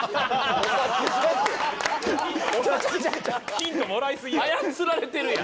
ヒントもらいすぎや。